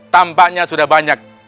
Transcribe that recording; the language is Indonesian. tampaknya sudah banyak